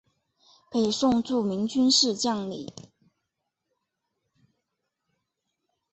北宋著名军事将领。